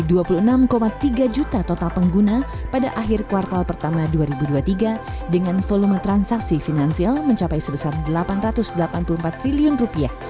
ada dua puluh enam tiga juta total pengguna pada akhir kuartal pertama dua ribu dua puluh tiga dengan volume transaksi finansial mencapai sebesar delapan ratus delapan puluh empat triliun rupiah